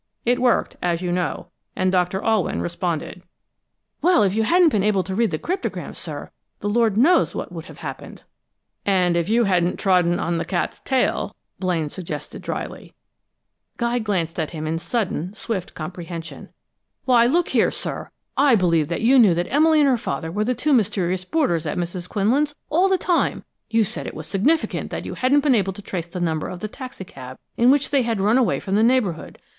It worked, as you know, and Doctor Alwyn responded." "Well, if you hadn't been able to read the cryptogram, sir, the Lord knows what would have happened!" "And if you hadn't trodden on the cat's tail " Blaine suggested dryly. [Illustration: An image of a coded message is shown here in the text.] Guy glanced at him in sudden, swift comprehension. "Why, look here, sir, I believe you knew that Emily and her father were the two mysterious boarders at Mrs. Quinlan's, all the time! You said it was significant that you hadn't been able to trace the number of the taxicab in which they had run away from the neighborhood!